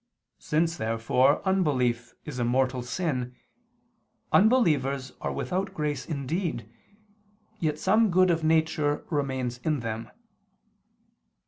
Since therefore, unbelief is a mortal sin, unbelievers are without grace indeed, yet some good of nature remains in them.